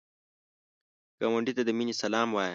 ګاونډي ته د مینې سلام وایه